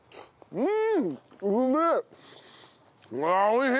うん。